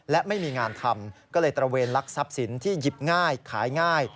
และไม่มีงานทำก็เลยตระเวนลักทรัพย์สินที่หยิบง่ายขายง่าย